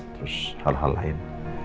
terus hal hal lain